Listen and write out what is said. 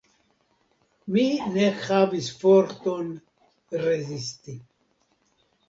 Mi ne havis forton rezisti.